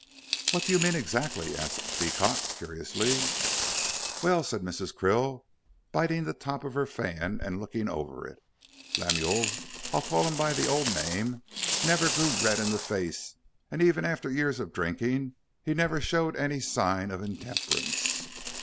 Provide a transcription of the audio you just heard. "What do you mean exactly?" asked Beecot, curiously. "Well," said Mrs. Krill, biting the top of her fan and looking over it, "Lemuel I'll call him by the old name never grew red in the face, and even after years of drinking he never showed any signs of intemperance.